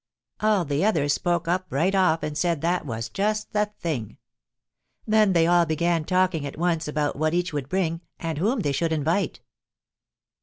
All the others spoke up right off and said that was just the thing. Then they all began talking at once about what each would bring and whom they should invite.